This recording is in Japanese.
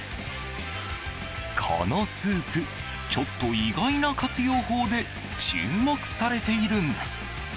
このスープちょっと意外な活用法で注目されているんです。